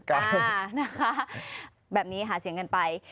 ค่ะนะคะแบบนี้หาเสียงกันไป